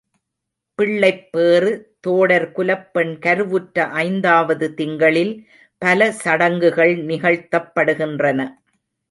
பிள்ளைப்பேறு தோடர் குலப்பெண் கருவுற்ற ஐந்தாவது திங்களில், பல சடங்குகள் நிகழ்த்தப்படுகின்றன.